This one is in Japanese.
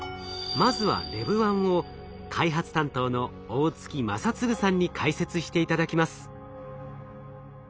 まずはＬＥＶ−１を開発担当の大槻真嗣さんに解説して頂きます。